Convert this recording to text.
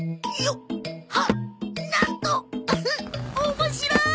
面白い！